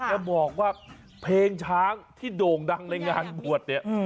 จะบอกว่าเพลงช้างที่โด่งดังในงานบวชเนี่ย